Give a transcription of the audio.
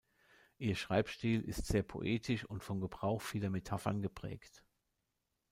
Ihr Schreibstil ist sehr poetisch und vom Gebrauch vieler Metaphern geprägt.